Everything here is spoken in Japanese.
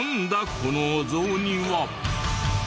このお雑煮は！